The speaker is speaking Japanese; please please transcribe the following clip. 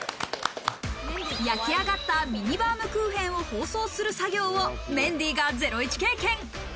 焼き上がったミニバームクーヘンを包装する作業をメンディーがゼロイチ経験。